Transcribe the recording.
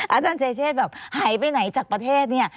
อาจารย์เจเชษแบบหายไปไหนจากประเทศเนี่ย